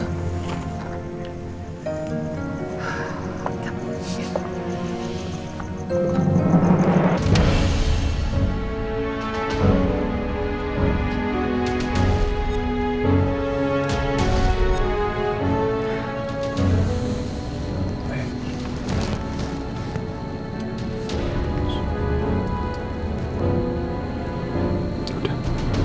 aldaan si pembunuhan